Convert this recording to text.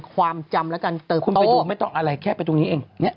ความจำแล้วกันเติบโต้คุณไปดูไม่ต้องอะไรแค่ไปตรงนี้เองเนี้ย